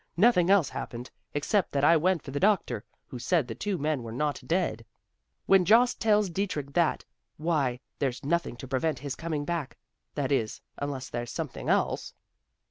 Nothing else happened; except that I went for the doctor, who said the two men were not dead. When Jost tells Dietrich that, why, there's nothing to prevent his coming back. That is, unless there's something else."